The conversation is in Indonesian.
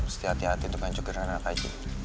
setia tia hati untuk ngancurin anak anak kj